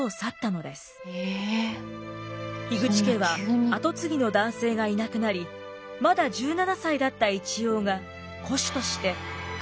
口家は後継ぎの男性がいなくなりまだ１７歳だった一葉が戸主として家族を養うことになりました。